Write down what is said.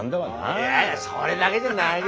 いやいやそれだけじゃないけどさ。